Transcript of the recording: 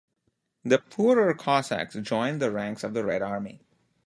The poorer Cossacks joined the ranks of the Red Army.